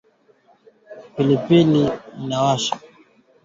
Pilipili inakataka sauti